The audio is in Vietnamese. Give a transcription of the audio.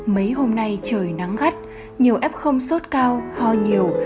mấy hôm nay trời nắng gắt nhiều f sốt cao ho nhiều